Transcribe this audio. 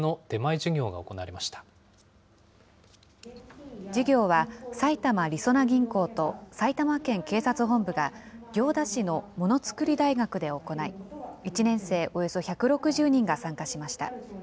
授業は、埼玉りそな銀行と埼玉県警察本部が、行田市のものつくり大学で行い、１年生およそ１６０人が参加しました。